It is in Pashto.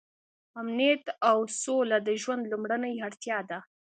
امنیت او سوله د ژوند لومړنۍ اړتیا ده.